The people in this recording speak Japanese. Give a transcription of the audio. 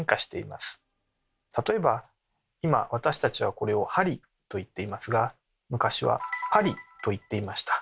例えば今私たちはこれを「はり」といっていますが昔は「パリ」といっていました。